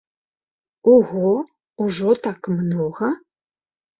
Ого, ужо так многа!